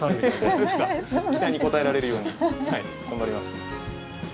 期待に応えられるように頑張ります。